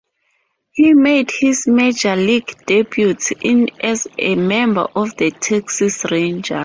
He made his Major League debut in as a member of the Texas Rangers.